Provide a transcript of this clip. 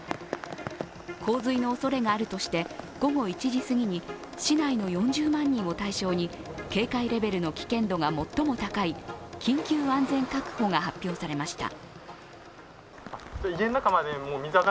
洪水のおそれがあるとして、午後１時過ぎに市内の４０万人を対象に警戒レベルの危険度が最も高い緊急安全確保が発表されました。